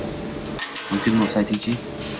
Mumkin bo’lsa aytingchi